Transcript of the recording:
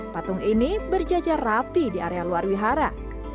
patung ini berjajar rapi di area luar wihara